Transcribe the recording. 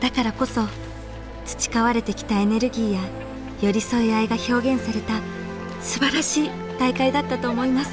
だからこそ培われてきたエネルギーや寄り添い合いが表現されたすばらしい大会だったと思います。